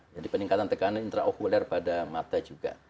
jadi peningkatan tekanan intraokuler pada mata juga